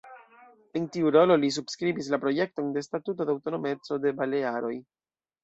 En tiu rolo li subskribis la projekton de Statuto de aŭtonomeco de Balearoj.